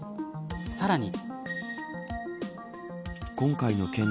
さらに。